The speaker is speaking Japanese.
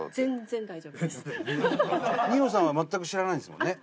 二葉さんは全く知らないんですもんね？